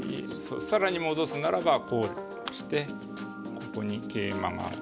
更に戻すならばこうしてここに桂馬が。